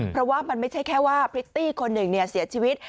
เพราะว่ามันไม่ใช่แค่ว่าพริตตี้คนหนึ่งเสียชีวิต